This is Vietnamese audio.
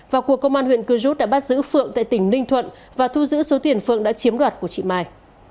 và cuộc công an huyện cư rút đã bắt giữ phượng tại tỉnh ninh thuận và thu giữ số tiền phượng đã chiếm đoạt của chị mai